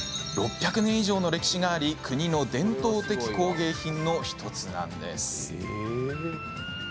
６００年以上の歴史があり国の伝統的工芸品の１つなんです。